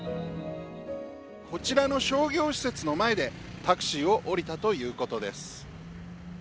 こちらの商業施設の前でタクシーを降りたということです。